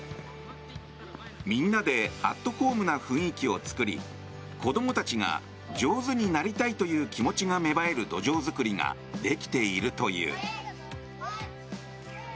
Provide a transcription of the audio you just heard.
みんなでアットホームな雰囲気を作り子供たちが上手になりたいという気持ちが芽生える土壌作りができているという。